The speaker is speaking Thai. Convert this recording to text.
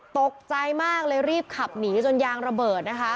ตกใจมากเลยรีบขับหนีจนยางระเบิดนะคะ